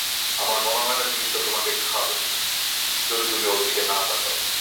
আমার মনে হয় না জিনিসটা তোমাকে খাবে যদি তুমি ওর দিকে না তাকাও।